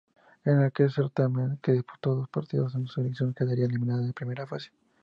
En aquel certamen disputó dos partidos y su selección quedaría eliminada en primera fase.